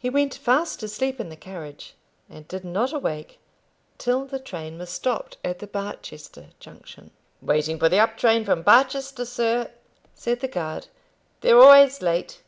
He went fast to sleep in the carriage, and did not awake till the train was stopped at the Barchester Junction. "Waiting for the up train from Barchester, sir," said the guard. "They're always late."